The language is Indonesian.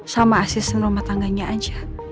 sama asisten rumah tangganya aja